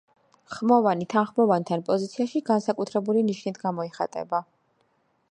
ხმოვანი თანხმოვანთან პოზიციაში განსაკუთრებული ნიშნით გამოიხატება.